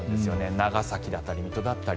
長崎だったり水戸だったり。